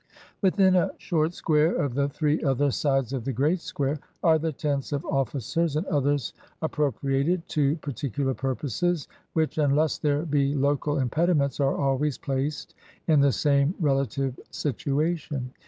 Within a short square of the three other sides of the great square are the tents of officers and others appro priated to particular purposes, which, unless there be local impediments, are always placed in the same rela tive situation.